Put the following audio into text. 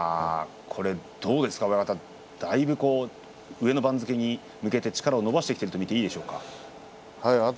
どうですかね親方上の番付に向けて力を伸ばしてきていると見ていいですか。